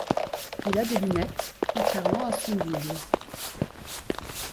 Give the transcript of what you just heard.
Il a des lunettes, contrairement à son double.